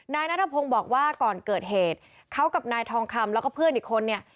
นายนัทพงศ์บอกว่าก่อนเกิดเหตุเขากับนายทองคำแล้วก็เพื่อนอีกคนเนี่ย